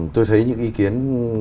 tôi thấy những ý kiến